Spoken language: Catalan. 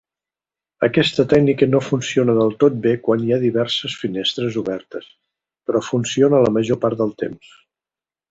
Aquesta tècnica no funciona del tot bé quan hi ha diverses finestres obertes, però funciona la major part del temps.